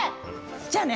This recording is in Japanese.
じゃあね！